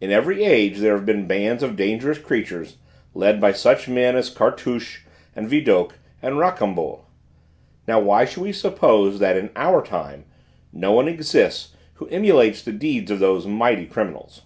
In every age there have been bands of dangerous creatures, led by such men as Cartouche and Vidocq and Rocambole. Now why should we suppose that in our time no one exists who emulates the deeds of those mighty criminals?"